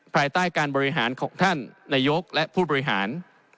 ภายใต้การบริหารของท่านนายกและผู้บริหาร